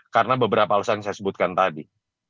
karena beberapa alasan yang saya sebutkan tadi